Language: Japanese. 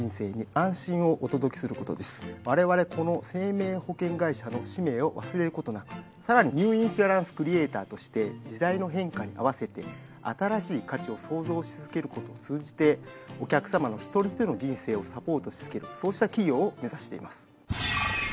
われわれこの生命保険会社の使命を忘れることなくさらにニュー・インシュアランス・クリエイターとして時代の変化に合わせて新しい価値を創造し続けることを通じてお客さまの一人一人の人生をサポートし続けるそうした企業を目指しています。